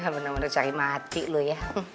bener bener cari mati lu ya